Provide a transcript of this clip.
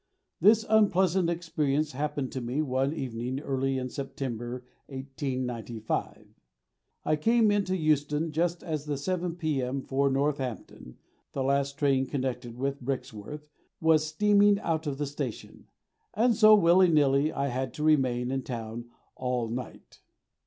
This unpleasant experience happened to me one evening early in September 1895. I came into Euston just as the 7 P.M. for Northampton the last train connected with Brixworth was steaming out of the station and so, willy nilly, I had to remain in town all night.